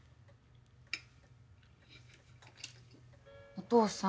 お父さん。